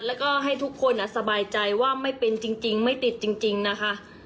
แล้วก็ให้ทุกคนสบายใจว่าไม่เป็นจริงไม่ติดจริงนะคะ